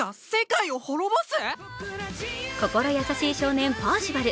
心優しい少年・パーシバル。